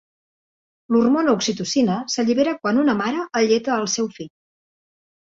L'hormona oxitocina s'allibera quan una mare alleta el seu fill.